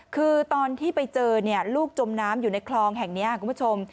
คือตอนที่ไปเจอลูกจมน้ำอยู่ในคลองแห่งนี้คุณผู้ชม